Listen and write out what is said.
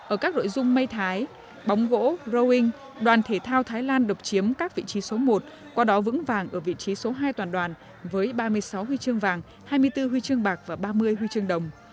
ở các nội dung mây thái bóng gỗ rowing đoàn thể thao thái lan độc chiếm các vị trí số một qua đó vững vàng ở vị trí số hai toàn đoàn với ba mươi sáu huy chương vàng hai mươi bốn huy chương bạc và ba mươi huy chương đồng